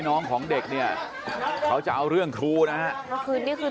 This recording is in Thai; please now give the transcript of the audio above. น้องของเด็กเนี่ยเขาจะเอาเรื่องครูนะฮะเมื่อคืนนี่คือ